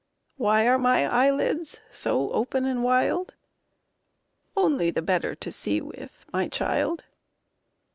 "Why are my eyelids so open and wild?" Only the better to see with, my child!